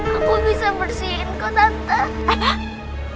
kamu bisa bersihin kok tante